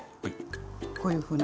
こういうふうな。